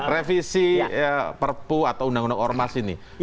revisi perpu atau undang undang ormas ini